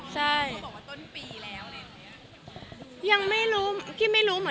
ก็บอกว่าเซอร์ไพรส์ไปค่ะ